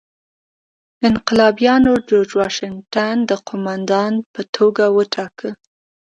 انقلابیانو جورج واشنګټن د قوماندان په توګه وټاکه.